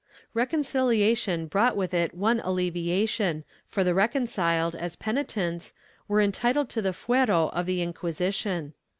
^ Reconciliation brought with it one alleviation, for the reconciled, as penitents, were entitled to the fuero of the Inquisition.